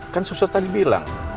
kan susah tadi bilang